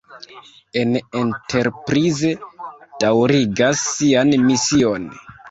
La Enterprise daŭrigas sian mision.